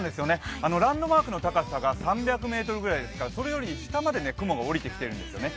ランドマークの高さが３００ｍぐらいですから、それより下まで雲がおりてきているんですね。